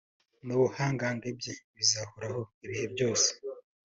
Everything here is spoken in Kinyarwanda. n’ubuhangange bye bizahoraho ibihe byose